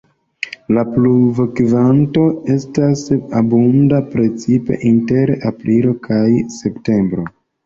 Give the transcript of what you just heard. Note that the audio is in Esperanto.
La pluvokvanto estas abunda precipe inter aprilo kaj septembro.